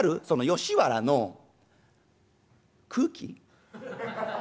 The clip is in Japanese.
その吉原の空気？